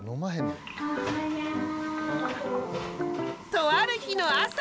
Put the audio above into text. とある日の朝。